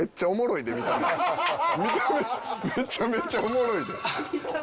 見た目めちゃめちゃおもろいで。